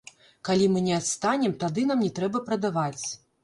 Калі мы не адстанем, тады нам не трэба прадаваць.